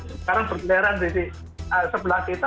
sekarang bergeleran di sebelah kita